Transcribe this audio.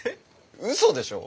うそでしょ？